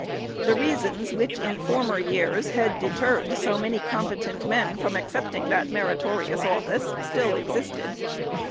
The reasons, which, in former years, had deterred so many competent men from accept ing that meritorious office, still existed.